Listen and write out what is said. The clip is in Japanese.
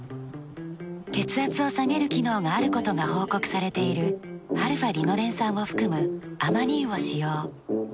血圧を下げる機能があることが報告されているαーリノレン酸を含むアマニ油を使用。